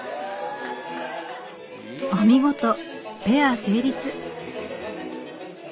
お見事ペア成立。